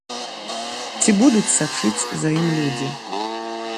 Ці будуць сачыць за ім людзі?